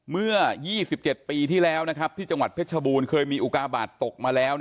เมื่อ๒๗ปีที่แล้วที่จังหวัดเพชรบูรณ์เคยมีอุกาบาทตกมาแล้ว